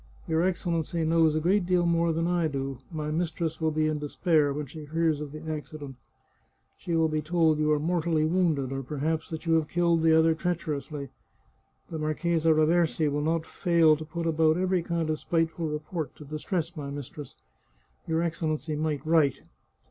Your Excellency knows a great deal more than I do; my mistress will be in despair when she hears of the accident. She will be told you are mortally wounded, or perhaps that you have killed the other treacherously. The Marchesa Raversi will not fail to put about every kind of spiteful re port to distress my mistress. Your Excellency might write."